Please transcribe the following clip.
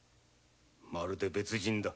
まるで別人だ。